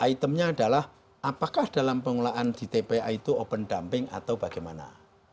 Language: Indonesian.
itemnya adalah apakah dalam pengelolaan di tpa itu open dumping atau bagaimana